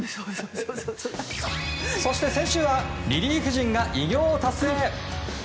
そして、先週はリリーフ陣が偉業を達成。